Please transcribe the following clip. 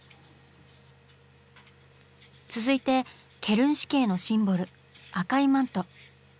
続いてケルン市警のシンボル赤いマント。